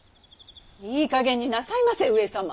いいかげんになさいませ上様！